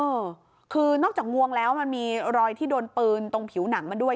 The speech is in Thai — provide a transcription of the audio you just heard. เออคือนอกจากงวงแล้วมันมีรอยที่โดนปืนตรงผิวหนังมาด้วย